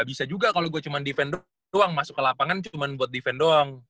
gue gak bisa juga kalo gua cuman defend doang masuk ke lapangan cuman buat defend doang